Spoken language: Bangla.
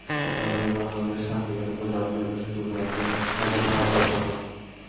তবে বাংলাদেশ সাকিবের ওপর যতটা নির্ভরশীল, যুবরাজের কাছে ভারত ততটা নয়।